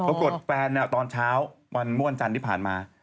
แฟนตอนเช้าวันเมื่อวันจันทร์ที่ผ่านมา